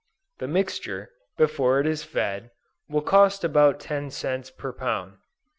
The mixture, before it is fed, will cost about 10 cents per pound.